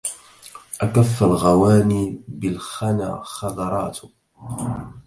أكف الغواني بالخنا خضرات